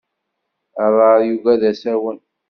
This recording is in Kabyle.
Aḍar yugad asawen.